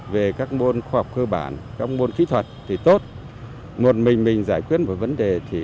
về các môn khoa học cơ bản các môn kỹ thuật thì tốt một mình mình giải quyết một vấn đề